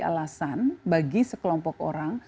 alasan bagi sekelompok orang